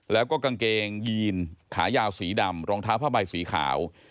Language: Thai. แล้วก็กางเกงยีนขายาวสีดำรองเท้าผ้าใบสีขาว